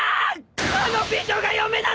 あの美女が嫁なの！？